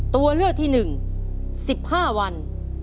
ตัวเลือกที่๑๑๕วัน